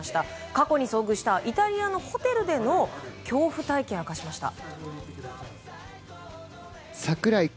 過去に遭遇したイタリアのホテルでの恐怖体験を明かしました。